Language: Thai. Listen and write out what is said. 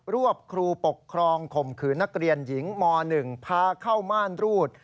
วบครูปกครองข่มขืนนักเรียนหญิงม๑พาเข้าม่านรูด